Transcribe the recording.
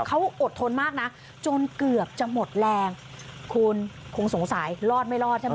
เขาอดทนมากนะจนเกือบจะหมดแรงคุณคงสงสัยรอดไม่รอดใช่ไหม